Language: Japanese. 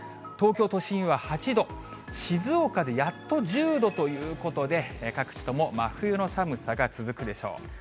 東京都心は８度、静岡でやっと１０度ということで、各地とも真冬の寒さが続くでしょう。